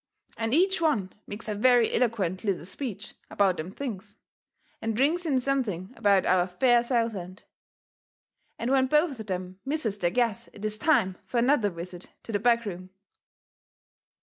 And each one makes a very eloquent little speech about them things, and rings in something about our fair Southland. And when both of them misses their guess it is time fur another visit to the back room.